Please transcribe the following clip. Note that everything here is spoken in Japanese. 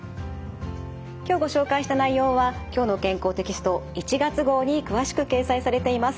今日ご紹介した内容は「きょうの健康」テキスト１月号に詳しく掲載されています。